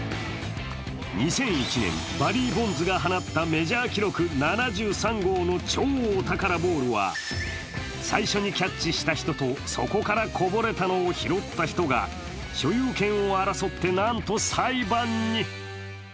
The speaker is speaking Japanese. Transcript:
２００１年、バリー・ボンズが放ったメジャー記録７３号の超お宝ボールは最初にキャッチした人とそこからこぼれたのを拾った人が所有権を争ってなんと裁判に。